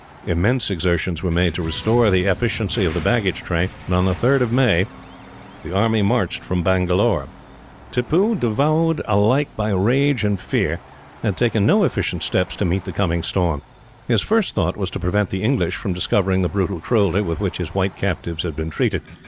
Immense exertions were made to restore the efficiency of the baggage train, and on the 3rd of May, the army marched from Bangalore. Tippoo, devoured alike by rage and fear, had taken no efficient steps to meet the coming storm. His first thought was to prevent the English from discovering the brutal cruelty with which his white captives had been treated.